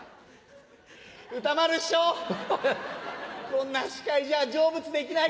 こんな司会じゃ成仏できない。